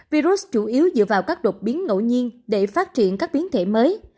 virus chủ yếu dựa vào các đột biến ngẫu nhiên để phát triển các biến thể mới